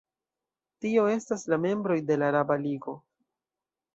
Tio estas la membroj de la Araba Ligo.